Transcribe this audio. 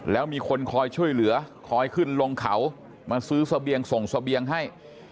แล้วมีคนคอยช่วยเหลือคอยขึ้นลงเขามาซื้อเสบียงส่งเสบียงให้